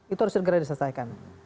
itu harus segera diselesaikan